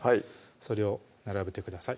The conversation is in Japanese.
それを並べてください